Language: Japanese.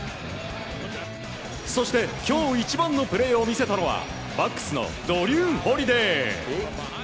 そして今日一番のプレーを見せたのはバックスのドリュー・ホリデー。